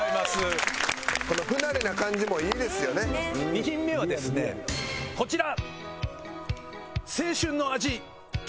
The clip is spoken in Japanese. ２品目はですねこちら。